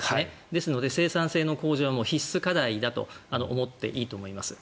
ですので生産性の向上は必須課題だと思っていいと思います。